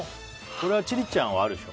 これは千里ちゃんはあるでしょ。